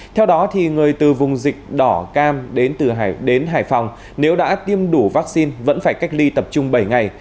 theo đó người từ vùng dịch đỏ cam đến từ hải phòng nếu đã tiêm đủ vaccine vẫn phải cách ly tập trung bảy ngày